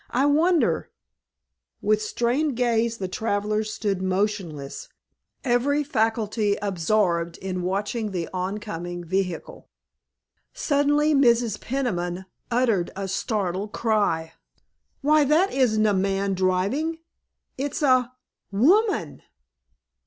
I wonder——" With strained gaze the travelers stood motionless, every faculty absorbed in watching the oncoming vehicle. Suddenly Mrs. Peniman uttered a startled cry: "Why, that isn't a man driving—it's a _woman!